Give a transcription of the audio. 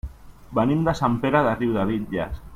Venim de Sant Pere de Riudebitlles.